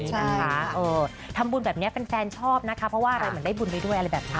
นะคะเออทำบุญแบบนี้แฟนชอบนะคะเพราะว่าอะไรเหมือนได้บุญไปด้วยอะไรแบบนี้